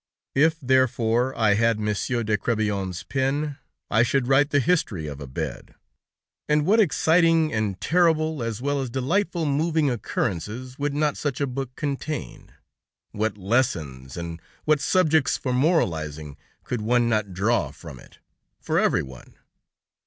If, therefore, I had Monsieur de Crébillon's pen, I should write the history of a bed, and what exciting and terrible, as well as delightful moving occurrences would not such a book contain! What lessons and what subjects for moralizing could one not draw from it, for everyone?